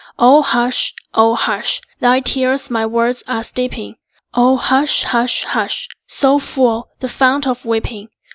O hush, O hush! Thy tears my words are steeping. O hush, hush, hush! So full, the fount of weeping?